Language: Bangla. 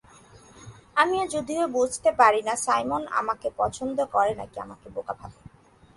আমি যদিও বুঝতে পারি না সাইমন আমাকে পছন্দ করে নাকি আমাকে বোকা ভাবে।